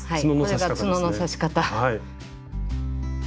これがつのの刺し方。